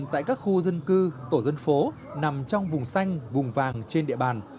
tại các khu dân cư tổ dân phố nằm trong vùng xanh vùng vàng trên địa bàn